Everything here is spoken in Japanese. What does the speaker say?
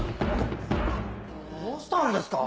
どうしたんですか？